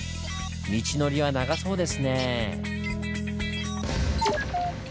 道のりは長そうですねぇ。